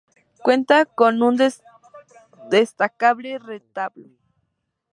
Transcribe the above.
Cuenta con un destacable retablo.